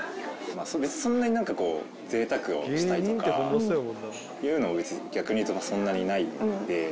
別にそんなに何かこうぜいたくをしたいとかいうのは逆に言うとそんなにないので。